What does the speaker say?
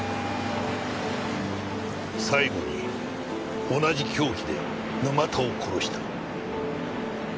最後に同じ凶器で沼田を殺した。